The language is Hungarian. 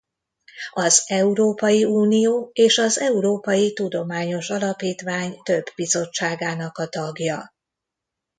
Az Európai Unió és az Európai Tudományos Alapítvány több bizottságának a tagja.